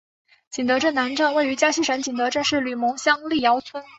景德镇南站位于江西省景德镇市吕蒙乡历尧村。